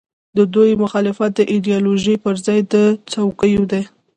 د دوی مخالفت د ایډیالوژۍ پر ځای د څوکیو دی.